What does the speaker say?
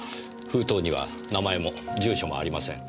封筒には名前も住所もありません。